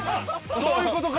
そういうことか。